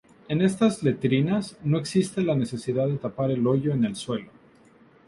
En estas letrinas no existe la necesidad de tapar el hoyo en el suelo.